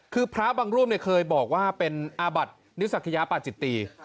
คือพระบางรูปเคยบอกว่าเป็นอาบัตินิสักยาปาจิตี